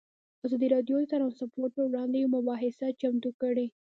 ازادي راډیو د ترانسپورټ پر وړاندې یوه مباحثه چمتو کړې.